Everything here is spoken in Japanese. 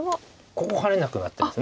ここ入れなくなってます。